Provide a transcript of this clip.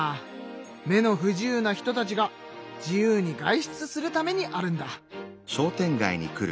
目の不自由な人たちが自由に外出するためにあるんだ。